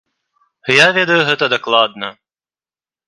Я ведаю гэта дакладна.